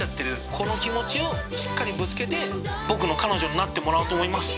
この気持ちをしっかりぶつけて僕の彼女になってもらおうと思います